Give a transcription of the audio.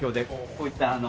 こういったあの。